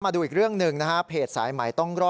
มาดูอีกเรื่องหนึ่งนะฮะเพจสายใหม่ต้องรอด